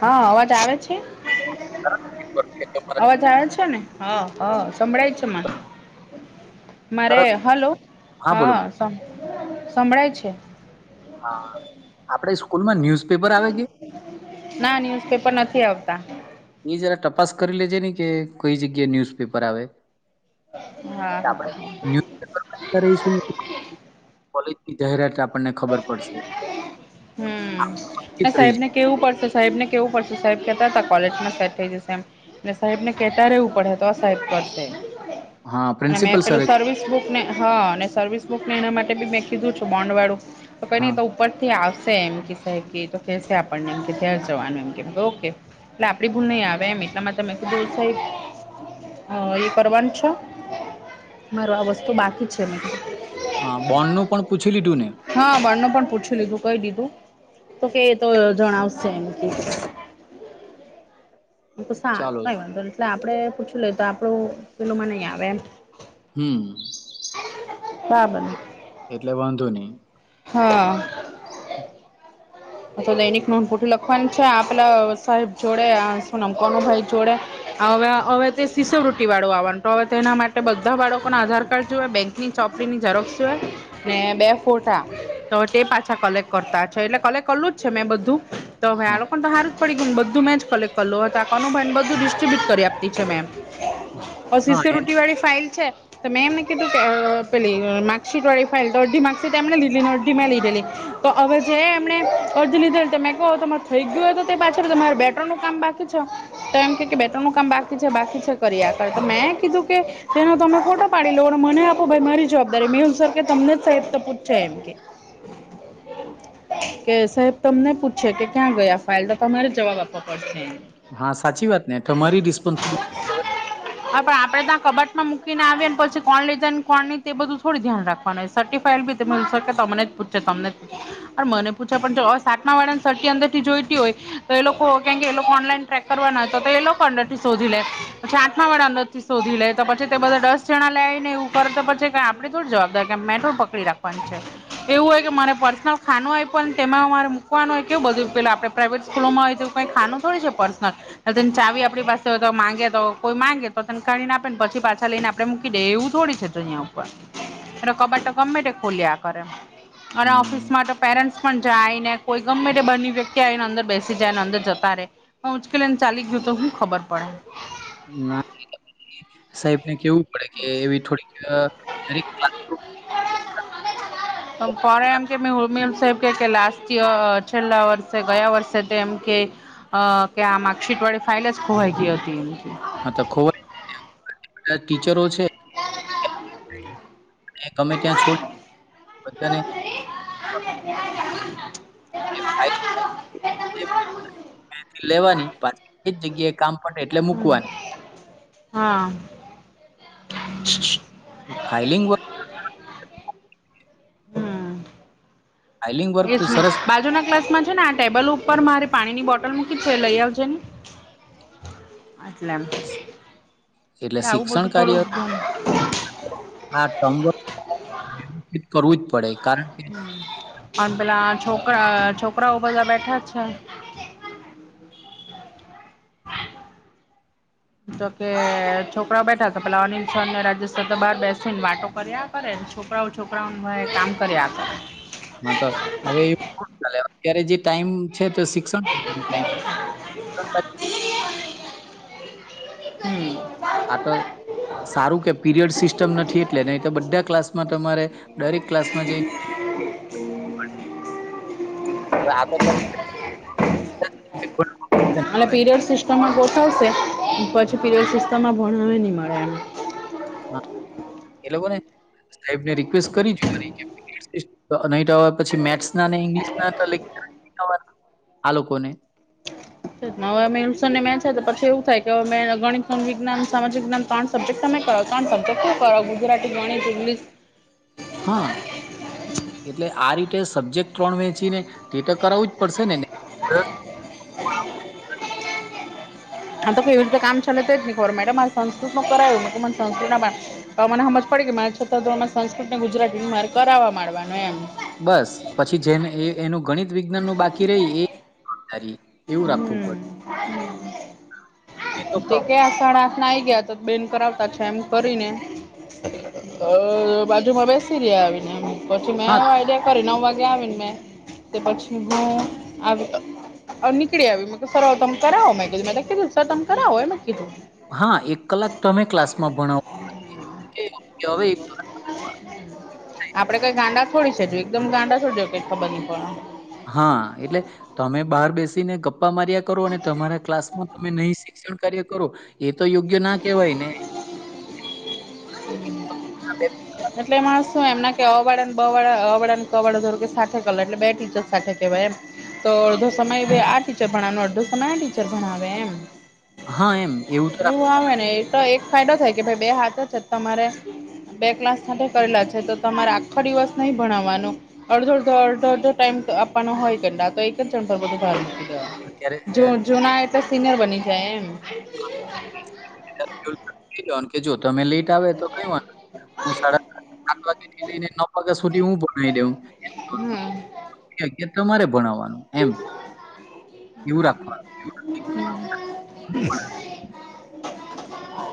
હા અવાજ આવે છે. અવાજ આવે છે ને હા હા સંભળાય છે મને તરત મારે હલો બોલો હા બોલો સમ સંભળાય છે. હા આપડે સ્કૂલ માં ન્યુઝ પેપર આવે કે. ના ન્યુઝપેપર નથી આવતા. એ જરા તપાસ કરી લેજે ને કે કોઈ જગ્યાએ ન્યુઝપેપર આવે. હા આપડે હા ન્યૂઝ પેપર [unintelligible] કરાઈશુ. કોલેજની જાહેરાત આપણને ખબર પડશે. હમ [inaudible] ને વંચિત સાહેબ ને રહીશ. કેવું પડશે સાહેબ ને કેવું પડશે સાહેબ કેતા હતા કોલેજમાં સેટ થઈ જશે એમ. એટલે સાહેબ ને કેતા રહેેવું પડે તો આ સાહેબ કરશે હા અને મેં પ્રિન્સિપલ સર પેલું સર્વિસ બુક મે હા અને સર્વિસ બુકને એના માટે બી મેં કીધું છું બોન્ડવાળું તો કંઈ હા નહીં તો ઉપરથી આવશે એમ કે સાહેબ કે એતો કેશે આપણને એમ ઘેર જવાનું એમ ઓકે એટલે આપડી ભૂલ નહીં આવે એમ એટલામાં તમે કીધું સાહેબ હ એ કરવાનું છો માર આ વસ્તુ બાકી છે મન હા બોન્ડ નું પણ પૂછી લીધું ને હા બાળને પણ પૂછી લીધું કહી દીધું તો કે તો જણાવશે એમ કે છે સાત ચાલો કઈ વાંધો એટલે આપડે પૂછું લેએ તો આપણું પેલોમાં નહીં આવે એમ. હમ. સાબન એ- એટલે વાંધો નહી. હા. [unintelligible] તો દૈનિક નોંધ પૂઠ લખવાની છે આપેલા સાહેબ જોડેોમ કનુભાઈ જોડે. હવે હવે તે શિસવૃતિ વાળું આવવાનું તો હવે તેના માટે બધા બાળકો ના આધાર કાર્ડ જોવે બેંક ની ચોપડી ની ઝેરોક્ષ જોઈએ. ને બે ફોટા તો તે પાછા કલેક્ટ કરતા છે એટલે કલેક્ટ કલું જ છે મેં બધું તો હવે આ હા તો સારું ફડી ગને બધું મેં જ કલેક કરલ કનુ ભાઈને બધું ડિસ્ટ્રીબ્યુટ કરી આપતી છે મેમ હા શીશ એ રુટી વાળી ફાઇલ છે. તો મેમ નને કીધુ પલી મા્ક શિટ એ ફાઈલ તો અરધી માક શીટ અરધી મે લીધેરી. તો હવે જે એમણે અરજી લીધેલ તમે કહુ તમાર થઈ ગયું હોય તો તે પાછળ તમારે બેગરાઉડ નું કામ બાકી છે. તો એમ કે બે ત્રણ કામ બાકી છે બાકી છે કરી આ કર તો મેં કીધું કે તેનો તમે ખોટો પાડે લ અને મને આપો ભાઈ મારી જવાબદારી મેંહુલ સાહેબ કે તમને જ સાહ તો પૂછાય એમ કે કે સાહેબ તમને પૂછે કે ક્યાં ગયા ફાઇલ તો તમારે જવાબ આપવા પડશે. હા સાચી વાત ને તમારી રિસ્પોન્સિબિલિટી કેવાય. હા પણ આપડે ત્યાં કબાટમાં મૂકીને આવીએને પછી કોણ લીધે ને કોણ તે બધું થોડી ધ્યાન રાખવાનું. સિટી ફાઈલ તમને પૂછે તમને પુછે મને પૂછ પણ જો સાતમા વાળાને સર્ટ અંદર થી જોઈતી હોય તો એ લોકો કેમ કે એ લોકો ઓનલાઈન ટ કરવાના હોય તો તે એ લોકો અંદર થી શોધી પછી આઠમા વાળા અંદર થી શોધી લે તો પછી તે બધા દસ દક્ષણા લેઈ ને એવું કરે તો પછી આપે થોડી જવાબદાર કે મેટોર પકડી રાખવાની છે. એવું હોય કે મારે પર્સનલ ખાવું એ પણ તેમાં મારે મૂકવાનું હોય કેવું બધું પેલાં આપણે પ્રાઇવેટ સ્કૂલોમાં હોય તો કંઈ ખાનું થોું છે પર્સનલ તને ચાવી આપણી પાસે હોય તો માંગે તો કોઈ માંગે તો તને કાને આપે ને પછી પાછા લઈને આપડે મૂકી દે એવું થોડી છે. કબ તો ગમે ખોલ્યા કરે અને હમ ઓફિસમાં તો પેરેશ. પણ જાય ને કોઈ ગમે તે બંની વ્યક્તિ આવી ને અંદર બેસી જાયને અંદર જતા રે ઉજકેલન ચાલીક જતો હ ખબર પડે. ના સાહેબ ને કેવું. ડે કે એવી થોડીક [unintelligible] [unintelligible] તમે જતા રહો પ એમ કે મે ઉર્મિલ છે કે લાસ્ટ યર છેલ્લા વર્ષે ગયા વર્ષે તે એમ કે અ કે આ માર્કશીટ વાળી ફાઇલ જ ખોવાઈ ગઈ હતી એ હા તો ખબર બધા ટીચરો છે. તમે ત્યાં છોડી બધાને હ [unintelligible] તે ફાઈલ લેવાની પાછી એ જગ્યા. હમ હા ફાઈલિંગ વ હમ. ફાઇલિંગ વર્ક તો યસ મિસ સરસ બાજુ ના ક્લાસમાં છે ને આ ટેબલ ઉપર મારે પાણી ની બોટલ મૂકી છે લઈ આવજે ને. અટલે આમ. એટલે શિક્ષણ કાર્ય. થોડું ના સંબંધ માં વ્યવસ્થિત કરવું જ પડે કારણ કે આ પેલા છોકરા છોકરાઓ બધા બેઠા જ છે. જોકે છોકરા બેઠા હતા પેલા અનિલ સર ને રાજેશ સર બહાર બેસીને વાતો કર્યા કરેને છોકરાઓ છોકરાઓને વાહે કામ કર્યા કરે. હા તો હવે કો ચા [unintelligible] અત્યારે જે ટાઈમ છે તો શિક્ષણ છે ટાઈમ શિક્ષણકાર્ય [inaudible] આ તો સારું કે પીરિયડ સિસ્ટમ નથી એટલે નહી તો બધા ક્લાસમાં તમારે દરેક ક્લાસમાં જઈ [inaudible] હવે આ તો અને પીરીયડ સીસ્ટ ટમ ગોઠવશે પછી પીરીયડ સિસ્ટમમાં ભણાવે નહીં મળે એમ હા એ લોકોને સાહેબ ને રિક્વેસ્ટ કરી જોવાની કે પીરીયડ સિસ્ટ નહી થવા પછી મેથ્સ ના ને ઈંગ્લિશ ના તો લેક્ચર જ નહીં થવા દે આ લોકો ને હવે મેહુલ સર ને મેચ હે તો પછી એવું થાય કે મેં ગણિત નો ને વિજ્ઞાન સામાજિક જ્ઞાન ત્રણ સબજેક તમે કરો ત્રણ સબજેક્ટ હું કરવું ગુજરાતી ગણિત ઈંગ્લીશ હા એટલે આ રીતે સબ્જેક્ટ ત્રણ વેંચીને તે તો કરાવું જ પડશે ને બેન [inaudible] આ તો કેવી રીતે કામ ચાલે તે શીખવાડો મેડમ આ સંસ્કૃત તો કરાવ્યું મને સંસ્કૃત ના પાઠ તો હવ મને હમજ પડી કે મારા છઠ્ઠા ધોરણમાં સંસ્કૃત ને ગુજરાતીને મારે કરાવવા માંડવાનું એમ બસ પછી જેને એ એનું ગણિત વિજ્ઞાન નું બાકી રહી એ [unintelligible] એવું રાખવું પડે. [inaudible] એ તો તે પ્રોબ્લેમ કયા સાડા આઠ ના આઈ ગયા તો બેન કરાવતા થયા એમ કરીને અ બાજુમાં બેસી રયા આવીને પછી મેં હા. આઈડિયા ફરી નવ વાગ્યા આવીને મેં તે પછી હું આવી અ નીકળી આવી મેં કીધું સર હવે તમે કરાવો મેં કીધું મે તો કીધું સર તમે કરાવો એમ જ કીધું હા એક કલાક તો તમે ક્લાસમાં ભણાવો હવે એક કલાક તમે ભણાવો આપડે કઈ ગાંડા થોડી છે એકદમ ગાંડા થોડી છે કઈ ખબર નહી પડે હા એટલે તમે બહાર બેસીને ગપ્પા માર્યા કરો અને તમારા ક્લાસમાં તમે નહી શિક્ષણ કાર્ય કરો એ તો યોગ્ય ના કહેવાય ને? [inaudible] એના બે ત્રણ એટલે એમાં શું એમના કે અ વાડાને બ વાડા અ વડાને ક વાડા ધારો કે સાથે કર લે એટલે બે ટીચર સાથે કેવાય એમ? તો અડધો સમય આ ટીચર ભણાવવાનું અડધો સમય આ ટીચર ભણાવે એમ હા એમ એવું તો રાખ હું આવે ને એ તો એક ફાયદો થાય કે ભાઈ બે હાથ છે તમારે બે ક્લાસ સાથે કરેલા છે તો તમારે આખો દિવસ નહી ભણાવવાનો અડધો અડધો અડધો અડધો ટાઈમ આપવાનો હોય આ તો એક જ જણ પર બધું ભારણ રાખવું અત્યારે જો અ જૂના આયા તો સિનિયર બની જાય એમ? કઈ દેવાનું કે જો તમે લેટ આવે તો કઈ વાંધો નઈ હું સાડા સાત વાગ્યા થી લઈને નવ વાગ્યા સુધી હું ભણાઈ દેઉ હમ નવ થી અગિયાર તમારે ભણાવવાનું એમ એવું રાખવાનું. [inaudible]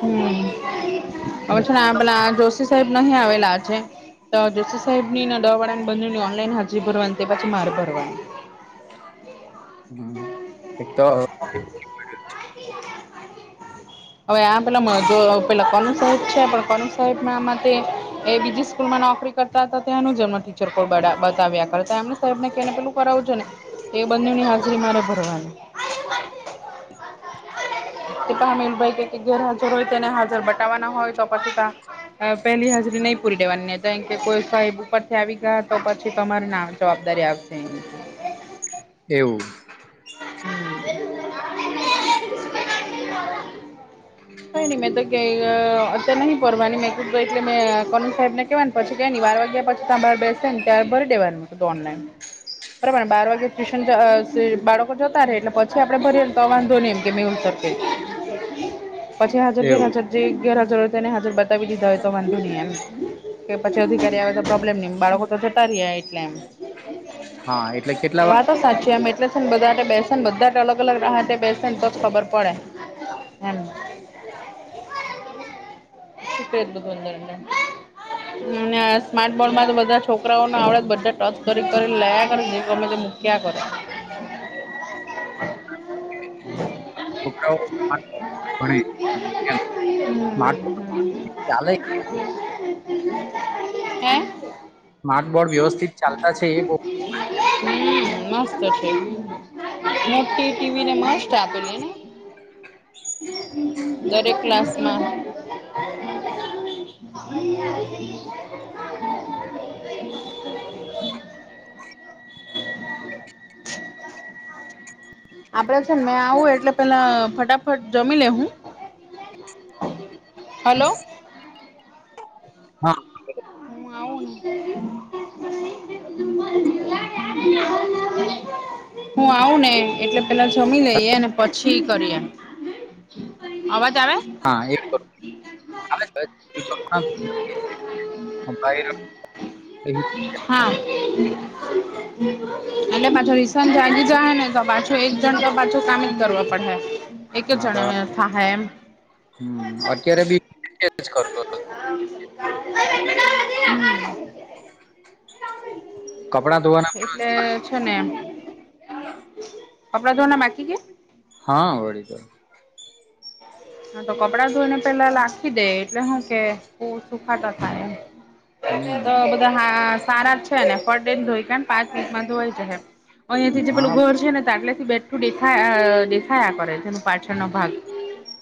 હમ્મ. હવે છે પેલા જોશી સાહેબ નહિ આવેલા આજે જસી સાહેબ નીને દવા વાડા ને બનેની ઓનલાઈન હાજરી ભરવાની તે પાછી માર ભરવાની. હમ્મ એક તો હવે આ પેલા જો પેલા કનુ સાહેબ છે પણ કનુ સાહેબના મતે એ બીજી સ્કૂલ માં નોકરી કરતા હતા તેનું જ એમનું ટીચર કોઈ બતાવ્યા કરતા એમને સાહેબ ને કેને પેલું કરાવું જો ને એ બંને ની હાજરી મારે ભરવાની. [inaudible] એક અમીલભાઈ કે ગેરહાજર હોય તો તેને હાજર બતાવાના હોય તો પછી તા પેલી હાજરી નહી પૂરી દેવાની કે કોઈ સાહેબ ઉપર થી આવી ગયા તો પછી તમાર નામ જવાબદારી આવસે એની. એવું. [inaudible] કરની‌ મે તો ક અ અત્યારે નહીં ભરવાની મેં ક એટલે મે કનુ સાહેબને કેવાની પછી કઈ નઈ બાર વાગ્યા પછી તા બાર બેસે ને ત્યારે ભરી દેવાનું ઓનલાઈન. પ્રમાણે બાર વાગે ટ્યુશન બાળ કો જતા રે એટલે પછી આપડે ભરીએને તો વાંધો નહી એમ કે મેહુલ સર કેય. પછી હાજર એવું. ઘેરહાજર જે ગેરહાજર હોય તેને હાજર બતાવી દીધા હોય તો વાંધો નહી એમ. કે પછી અધિકારી આવે તો પ્રોબ્લેમ નહી એમ બાળકો તો જતા રિયા એટલે એમ. હા એટલે કેટલા વા તો સાચીમ એટલે છેને બધા બેસન બધા જ અલગ અલગ રાહતે બેસન તો જ ખબર પડે એમ. [unintelligible] અને સ્માર્ટ બોર્ડ માં તો બધા છોકરાઓને આવડે બધા ટચ કરી કરી લયા કર જેમ મુક ક્યા કરો. [inaudible] છોકરાઓ ભણે એમ સ્માર્ટ તો ફોન ચાલ હે. સ્માર્ટ બોર્ડ વ્યવસ્થિત ચાલતા છે એ બ હમ્મ મસ્ત છે. મોટી ટીવી ને મસ્ત આપેલી ને. દરેક ક્લાસમાં હોય [inaudible] આપડે છે મેં આવું એટલે પેલા ફટાફટ જમી લે હું. હાલો. હા. મુ આવું [inaudible] હું આવું ને એટલે પેલા જમી લઈએ ને પછી કરીએ અવાજ આવે! હા એક [unintelligible] આવે છે [inaudible] હમણાં એ લોકો એ હા [inaudible] એટલે પાછો રિસવાન‌ જાગી જાય ને તો પાછો એક જણ તો પાછો કામ જ કરવો પડે એક જણા થાહે એમ. હમ્મ અત્યારે બી એજ કરતો હતો હમ્મ. કપડા ધોવાના એટલે છે ને કપડાં ધોવાના બાકી કે? હા વળી તો. હા તો કપડાં ધોઈ ને પેલા લખી દે એટલે હું કે સુખાતા થાય એમ. હમ્મ. ધ સારા છે ને ફટ લઈ ધોઈ કે પાંચ મિટમાં ધોવાય જહે. અહિયા થી જે હા પેલું ઘર છે ને તાટલેથી બેઠું દેખાયા દેખાયા કરે જેનું પાછળનો ભાગ.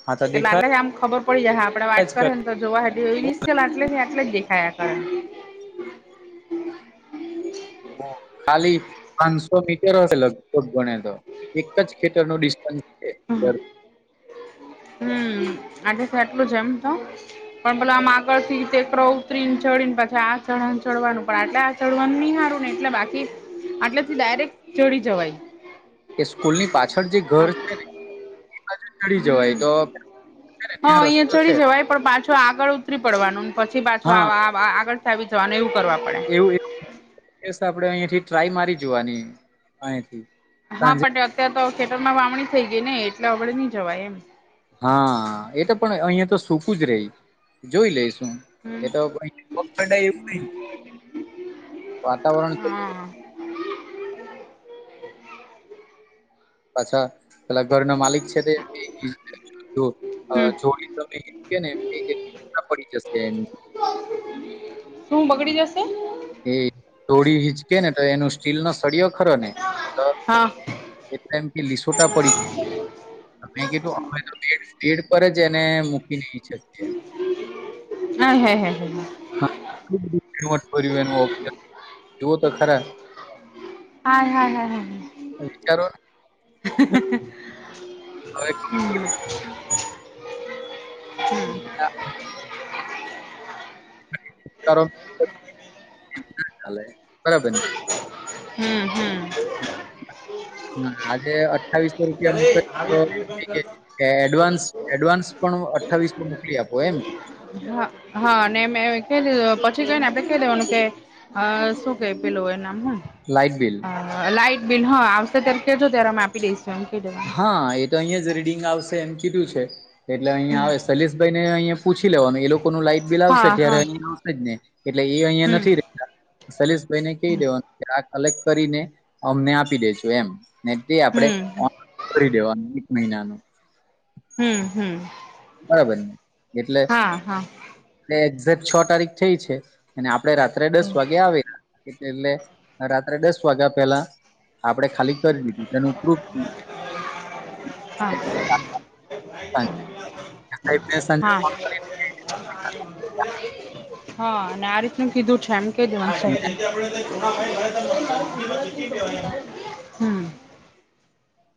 હા તો એટલે દેખાય આટલે આમ ખબર પડી જાય હા આપડે વાત જ કરે ન તો જોવા જેવી રિસલ આટલે થી આટલે જ દેખાયા કરે. ખાલી પાંચસો મીટર હશે લગભગ ગણયા એક જ ખેતર નો ડિસ્ટન્સ છે ઘર. હમ્મ આજે કોઈ એટલું જ એમ તો પણ પેલા આમ આગળ થી ટેકરો ઉતરીને ચડી ને પાછી આ ચ ચડવાનું પણ આટ ચડવાનું નહી સારું ને એટલે બાકી આટલેથી ડાયરેક્ટ ચડી જવાય કે સ્કૂલની પાછળ જે ઘર છે ને એ બાજુ ચડી જવાય હમ તો છે ને હ ત્યાં અહિયાં રસ્તો ચડી છે જવાય પણ પાછું આગળ ઉતરી પડવાનું પછી પાછું હા આ આગળ આવી જવાનું એવું કરવા પડે કેસ આપડે અહીયાંથી ટ્રાય મારી જોવાની અહીથી હા પણ અત્યારે તો ખેતર માં વાવણી થઈ ગઈ ને એટલે આપડે નહી જવાય એમ. હા એ તો પણ અહીયા તો સુૂકું જ રહી જોઈ લે શું હમ એ તો પગ ચડે એમ થી વાતાવરણ હા પાછા પેલા ઘર નો માલિક છે તે [inaudible] તો હમ જોડી તમને કે ને કે પડી જશે એ [inaudible] શું બગડી જશે? એ ટોળી હીચકે ને તો એનું સ્ટીલ નો સળિયો ખરો ને હા એટલા એમ કે લિસોટા પડી તમે કીધું અમે તો બેડ પર જ એને મૂકી નહી જગ્યાએ હે હે હે [unintelligible] જુઓ તો ખરા હાય હાય હાય વિચારો ને, [inaudible] હવે [inaudible] હમ ના કરો એવું ના હાલે બરાબર ને હમ્મ હમ્મ. હા આજે અઠ્ઠાવીસો રૂપિયા મુકત તો કેજે કે એડવાન્સ એડવાન્સ પણ અઠ્ઠાવીસો મોકલી આપો એમ હ હા ને મેં કે કઈ દીધું પોચી કઈને આપડે કે લેવાનું કે અ શું કઈ પેલુ એ નામ હ લાઈટ બિલ લાઈટ બિલ હ આવશે ત્યારે કેજો ત્યારે આમ આપી દઈશું એમ કે હા એ તો અહીયાં જ રીડિંગ આવશે એમ કીધું છે એટલે અહીયા હમ આવે શૈલેષભાઈને અહિયા પૂછી લેવાનું એ લોકોનું લાઈટ બિલ આવશે હા ત્યારે હા અહીયા આવશે જ ને એટલે એ અહિયાં હમ નથી રેતા સૈલેષભાઈ ને કહી દેવાનું આ કલેક્ટ કરીને અમને આપી દેજો એમ નેથી આપણે હમ ઓન કરી દેવાનું એક મહિનાનું હમ્મ હમ્મ. બરાબર ને એટલે એ એક્ઝેક્ટ છ તારીખ થઈ છે અને આપડે રાત્રે દસ વાગે આવેરા એ એટલે રાત્રે દસ વાગ્યા પેલા આપડે ખાલી કરી દીધી તેનું પ્રૂફ હા. સાહેબને સાંજે હા. [inaudible] ફોન કરી હા અને આ રીતનું કીધું છે એમ કે જો હાલશે [unintelligible]